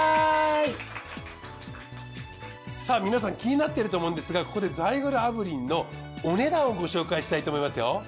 さぁ皆さん気になっていると思うんですがここでザイグル炙輪のお値段をご紹介したいと思いますよ。